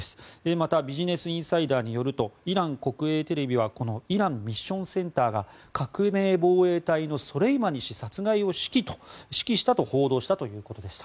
またビジネス・インサイダーによるとイラン国営テレビはこのイランミッションセンターが革命防衛隊のソレイマニ氏殺害を指揮したと報道したということでした。